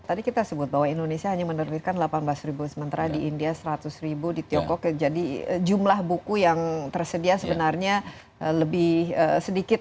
tadi kita sebut bahwa indonesia hanya menerbitkan delapan belas ribu sementara di india seratus ribu di tiongkok jadi jumlah buku yang tersedia sebenarnya lebih sedikit